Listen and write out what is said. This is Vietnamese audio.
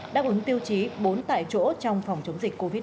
đáp ứng tiêu chí bốn tại chỗ trong phòng chống dịch covid một mươi